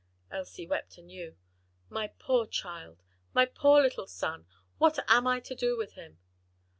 Elsie wept anew. "My poor child! my poor little son! what am I to do with him?"